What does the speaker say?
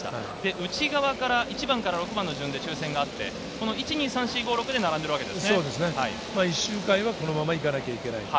内側から１番から６番の順で抽選があって、１周はこのまま行かなきゃいけない。